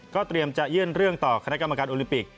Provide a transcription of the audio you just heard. เตรียมจะยื่นเรื่องต่อคณะกรรมการโอลิมปิก